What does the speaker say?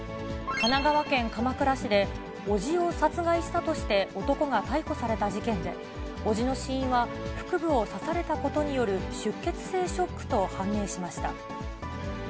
神奈川県鎌倉市で、おじを殺害したとして男が逮捕された事件で、おじの死因は、腹部を刺されたことによる出血性ショックと判明しました。